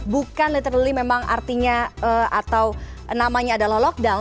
bukan literally memang artinya atau namanya adalah lockdown